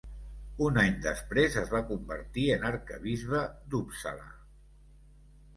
Un any després es va convertir en arquebisbe d'Uppsala.